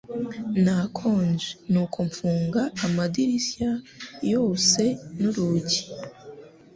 Nakonje, nuko mfunga amadirisya yose n’urugi.